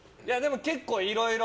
結構いろいろ。